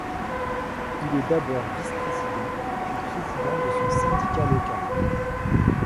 Il est d'abord vice-président puis président de son syndicat local.